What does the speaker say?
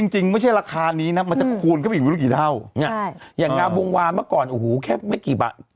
จริงไม่ใช่ราคานี้นะมันจะคูณเข้าไปอีกไม่รู้กี่เท่าเนี่ยอย่างงามวงวานเมื่อก่อนโอ้โหแค่ไม่กี่บาท